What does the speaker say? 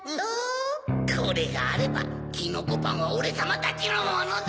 これがあればきのこパンはオレさまたちのものだ！